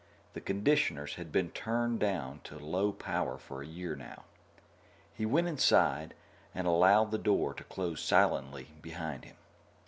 The conditioners had been turned down to low power for a year now. He went inside and allowed the door to close silently behind him.